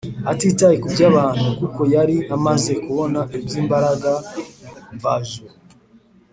, atitaye kuby’abantu kuko yari amaze kubona iby’imbaraga mvajuru